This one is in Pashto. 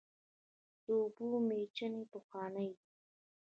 د اوبو میچنې پخوانۍ دي.